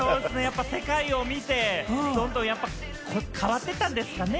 世界を見て、どんどん変わっていったんですかね。